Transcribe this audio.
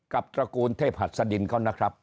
ตระกูลเทพหัสดินเขานะครับ